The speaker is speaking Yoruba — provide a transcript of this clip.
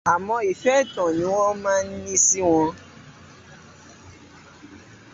Àmọ́ ìfẹ́ ẹ̀tàn ni wọ́n má ń ní sí wọn.